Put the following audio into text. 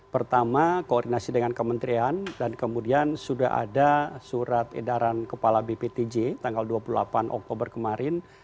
pertama koordinasi dengan kementerian dan kemudian sudah ada surat edaran kepala bptj tanggal dua puluh delapan oktober kemarin